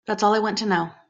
That's all I want to know.